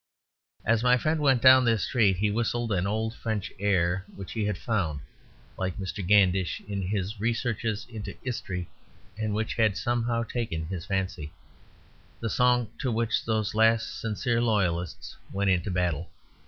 As my friend went down this street he whistled an old French air which he had found, like Mr. Gandish, "in his researches into 'istry," and which had somehow taken his fancy; the song to which those last sincere loyalists went into battle.